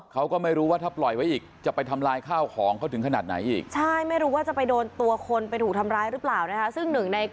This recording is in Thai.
เขาก็ไม่รู้ว่าถ้าปล่อยไว้อีกจะไปทำลายข้าวของเขาถึงขนาดไหนอีก